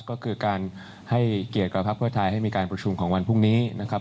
ก็คือการให้เกียรติกับภาคเพื่อไทยให้มีการประชุมของวันพรุ่งนี้นะครับ